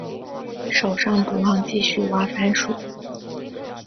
手上不忘继续挖番薯